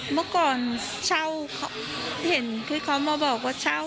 เมื่อก่อนเช่าเห็นที่เขามาบอกว่าเช่า